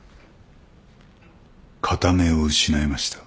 片目を失いました。